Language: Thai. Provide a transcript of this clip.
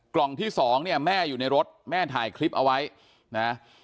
กล่องที่สองเนี่ยแม่อยู่ในรถแม่ถ่ายคลิปเอาไว้นะ